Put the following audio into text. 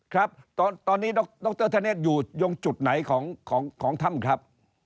ครับตอนนี้ดรธเนศอยู่ยงจุดไหนของถ้ำครับ